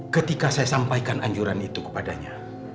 ketika saya sampaikan anjuran itu kepadanya